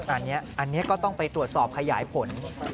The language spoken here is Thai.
อันนี้ก็ต้องไปตรวจสอบขยายผล